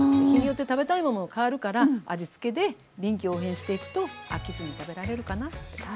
日によって食べたいものも変わるから味つけで臨機応変にしていくと飽きずに食べられるかなと。